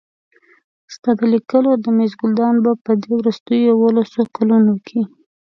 ستا د لیکلو د مېز ګلدان به په دې وروستیو یوولسو کلونو کې.